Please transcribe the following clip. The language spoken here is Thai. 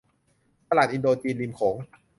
ตลาดอินโดจีนริมโขง